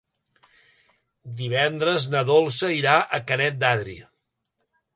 Divendres na Dolça irà a Canet d'Adri.